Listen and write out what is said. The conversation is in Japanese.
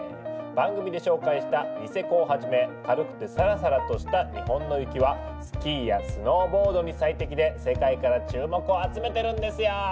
番組で紹介したニセコをはじめ軽くてサラサラとした日本の雪はスキーやスノーボードに最適で世界から注目を集めてるんですよ。